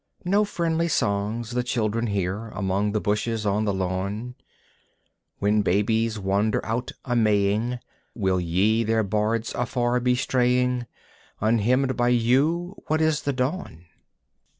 No friendly songs the children hear Among the bushes on the lawn. When babies wander out a Maying Will ye, their bards, afar be straying? Unhymned by you, what is the dawn?